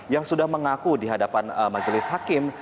yang sudah mengaku dihadapan majelis hakim